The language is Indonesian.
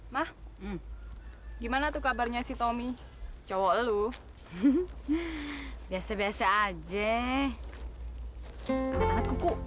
mah gimana tuh kabarnya si tommy cowok lu biasa biasa aja aku kok